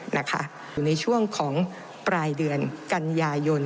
ในช่วงของปลายเดือนกันยายน